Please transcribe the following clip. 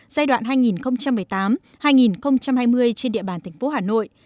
giai đoạn hai nghìn một mươi tám hai nghìn hai mươi trên địa bàn tp hà nội